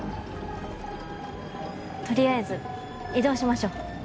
取りあえず移動しましょう。